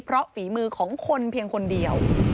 เพราะฝีมือของคนเพียงคนเดียว